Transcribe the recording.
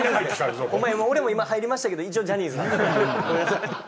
俺も今入りましたけど一応ジャニーズ。